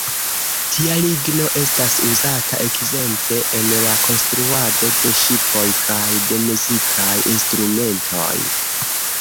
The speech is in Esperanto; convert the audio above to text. Tia ligno estas uzata ekzemple en la konstruado de ŝipoj kaj de muzikaj instrumentoj.